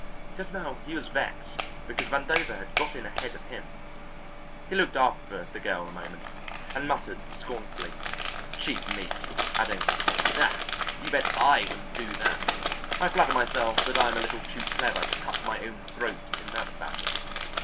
Just now he was vexed because Vandover had got in ahead of him. He looked after the girl a moment and muttered scornfully: "Cheap meat!" adding, "Ah, you bet I wouldn't do that. I flatter myself that I'm a little too clever to cut my own throat in that fashion.